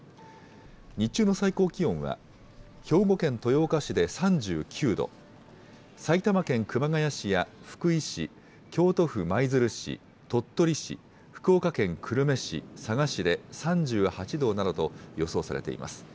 日中の最高気温は兵庫県豊岡市で３９度、埼玉県熊谷市や福井市、京都府舞鶴市、鳥取市、福岡県久留米市、佐賀市で３８度などと予想されています。